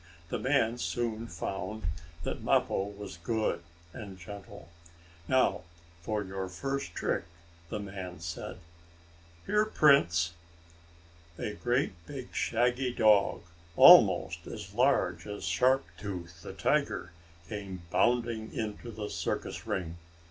The man soon found that Mappo was good and gentle. "Now for your first trick," the man said. "Here, Prince!" A great big, shaggy dog, almost as large as Sharp Tooth, the tiger, came bounding into the circus ring.